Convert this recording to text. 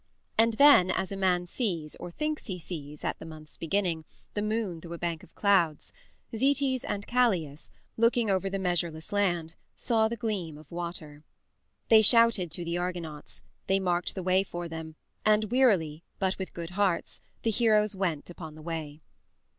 And then as a man sees, or thinks he sees, at the month's beginning, the moon through a bank of clouds, Zetes and Calais, looking over the measureless land, saw the gleam of water. They shouted to the Argonauts; they marked the way for them, and wearily, but with good hearts, the heroes went upon the way.